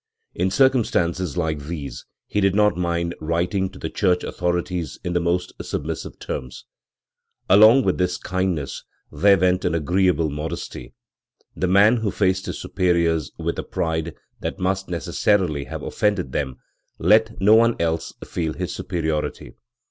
In circumstances like these he did not mind writing to the church authorities in the most submissive terms. Along with this kindness there went an agreeable modesty. The man who faced his superiors with a pride that must necessarily have offended them, let no one else feel his superiority.